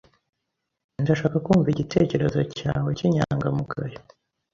Ndashaka kumva igitekerezo cyawe kinyangamugayo.